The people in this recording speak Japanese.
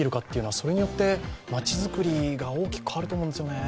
それによって大きく変わると思うんですよね。